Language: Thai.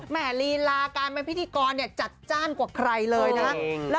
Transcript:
แหมลีลาการเป็นพิธีกรจัดจ้านกว่าใครเลยนะ